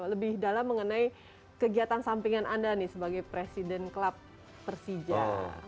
lebih dalam mengenai kegiatan sampingan anda nih sebagai presiden klub persija